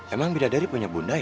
emang bidadari punya bunda ya